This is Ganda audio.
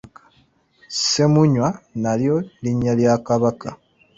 Ssemunywa nalyo linnya lya Kabaka.